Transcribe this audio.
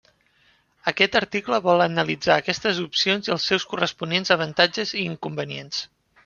Aquest article vol analitzar aquestes opcions i els seus corresponents avantatges i inconvenients.